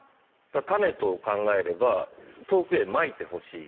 種と考えれば遠くへまいてほしい。